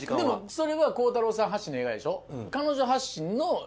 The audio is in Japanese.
それは孝太郎さん発信の映画でしょ。